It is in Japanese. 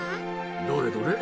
どれどれ？